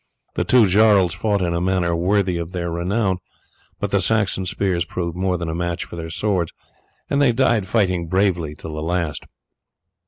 The two jarls fought in a manner worthy of their renown, but the Saxon spears proved more than a match for their swords, and they died fighting bravely till the last.